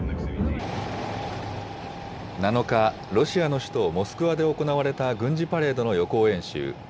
７日、ロシアの首都モスクワで行われた軍事パレードの予行演習。